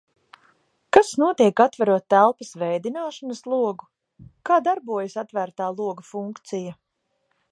Kas notiek, atverot telpas vēdināšanas logu? Kā darbojas “atvērtā loga” funkcija?